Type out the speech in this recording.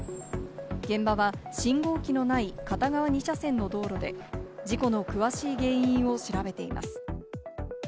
現場は信号機のない片側２車線の道路で、事故の詳しい原因を調べています。